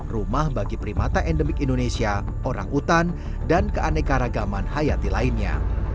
rumah bagi primata endemik indonesia orang utan dan keanekaragaman hayati lainnya